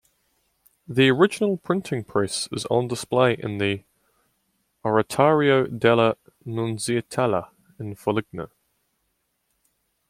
The original printing press is on display in the "Oratorio della Nunziatella" in Foligno.